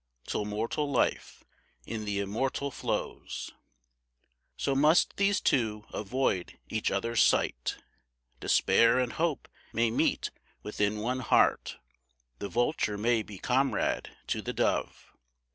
Till mortal life in the immortal flows, So must these two avoid each other's sight. Despair and hope may meet within one heart, The vulture may be comrade to the dove!